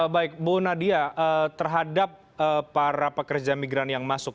baik bu nadia terhadap para pekerja migran yang masuk